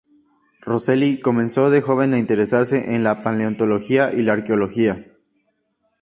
Roselli comenzó de joven a interesarse en la paleontología y la arqueología.